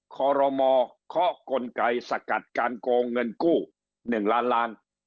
คอรมอเคาะกลไกสกัดการโกงเงินกู้๑ล้านล้าน